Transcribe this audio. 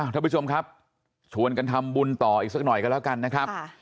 ท่านผู้ชมครับชวนกันทำบุญต่ออีกสักหน่อยกันแล้วกันนะครับ